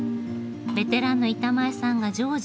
ベテランの板前さんが常時４人。